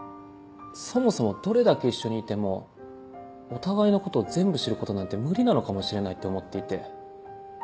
そもそもどれだけ一緒にいてもお互いのことを全部知ることなんて無理なのかもしれないって思っていて。